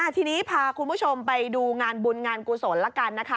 ทีนี้พาคุณผู้ชมไปดูงานบุญงานกุศลละกันนะคะ